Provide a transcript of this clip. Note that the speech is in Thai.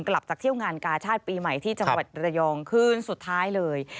กลับจากเที่ยวงานกาชาติปีใหม่ที่จังหวัดระยองคืนสุดท้ายเลย